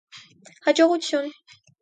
Հաջողությո’ւն